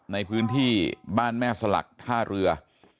ในพื้นที่บ้านแม่สลักท่าเรือ